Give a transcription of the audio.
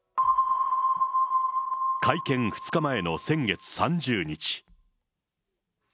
会見２日前の先月３０日。